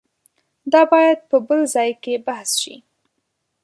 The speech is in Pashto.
دا باید په بل ځای کې بحث شي.